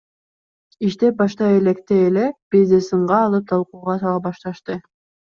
Иштеп баштай электе эле бизди сынга алып, талкууга сала башташты.